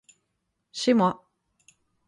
Chez moi.